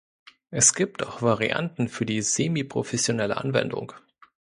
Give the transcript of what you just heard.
Es gibt auch Varianten für die semiprofessionelle Anwendung.